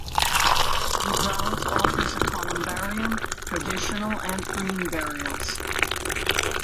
The grounds offers a columbarium, traditional, and green burials.